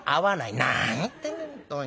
「何言ってんだ本当に。